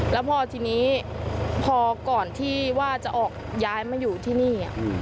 แล้วพอทีนี้พอก่อนที่ว่าจะออกย้ายมาอยู่ที่นี่